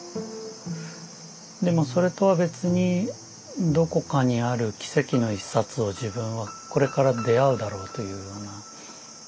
でもそれとは別にどこかにある奇跡の１冊を自分はこれから出会うだろうというような。